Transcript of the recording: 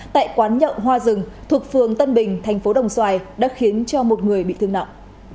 tại quán nhậu hoa rừng thuộc phường tân bình thành phố đồng xoài đã khiến cho một người bị thương nặng